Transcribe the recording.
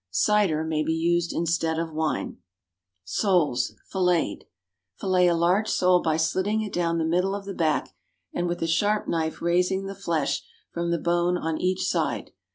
Cider may be used instead of wine. =Soles, Filleted.= Fillet a large sole by slitting it down the middle of the back, and with a sharp knife raising the flesh from the bone on each side.